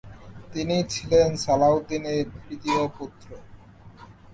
তিনি ছিলেন সালাহউদ্দিনের তৃতীয় পুত্র।